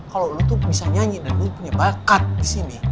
kalo lo tuh bisa nyanyi dan lo punya bakat disini